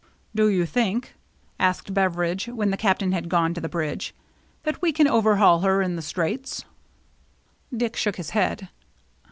" Do you think," asked Beveridge, when the Captain had gone to the bridge, " that we can overhaul her in the Straits ?" THE CHASE BEGINS 235 Dick shook his head.